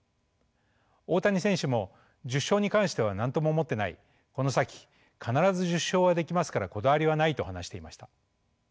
大谷選手も「１０勝に関しては何とも思ってないこの先必ず１０勝はできますからこだわりはない」と話していました。